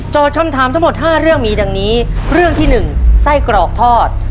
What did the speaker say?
คำถามทั้งหมด๕เรื่องมีดังนี้เรื่องที่๑ไส้กรอกทอด